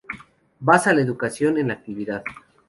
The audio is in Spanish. Basa la educación en la actividad.